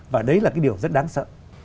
và đấy là cái điều rất đáng sợ